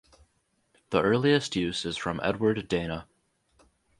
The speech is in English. The earliest use is from Edward Dana.